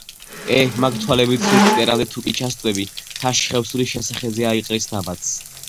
ე მაგ თვალებით სულს ფსკერამდე თუ კი ჩასწვდები, მთაში ხევსური შენს სახელზე აიყრის ნაბადს.